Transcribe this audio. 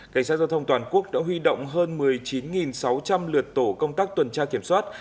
cảnh sát giao thông toàn quốc đã huy động hơn một mươi chín sáu trăm linh lượt tổ công tác tuần tra kiểm soát